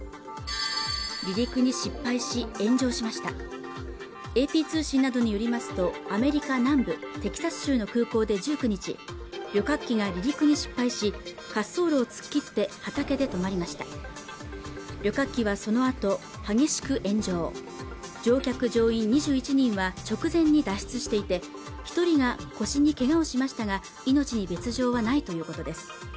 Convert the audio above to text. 離陸に失敗し炎上しましたＡＰ通信などによりますとアメリカ南部テキサス州の空港で１９日旅客機が離陸に失敗し滑走路を突っ切って畑で止まりました旅客機はそのあと激しく炎上乗客乗員２１人は直前に脱出していて一人が腰にけがをしましたが命に別状はないということです